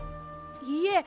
いえ。